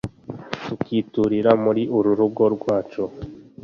tukiturira muri uru rugo rwacu